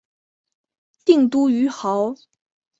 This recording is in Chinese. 定都于亳。